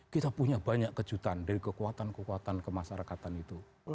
kita punya banyak kejutan dari kekuatan kekuatan kemasyarakatan itu